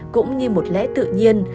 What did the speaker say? cũng như một lẽ tự nhiên